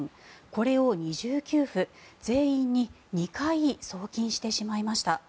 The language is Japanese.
これを二重給付全員に２回送金してしまいました。